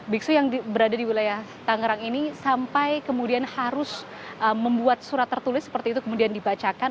biksu yang berada di wilayah tangerang ini sampai kemudian harus membuat surat tertulis seperti itu kemudian dibacakan